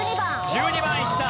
１２番いった。